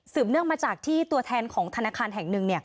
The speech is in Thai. เนื่องมาจากที่ตัวแทนของธนาคารแห่งหนึ่ง